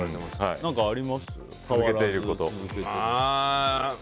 何かあります？